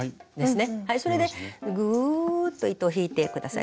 それでぐっと糸を引いて下さい。